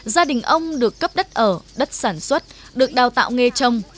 gia đình ông được cấp đất ở đất sản xuất được đào tạo nghề trồng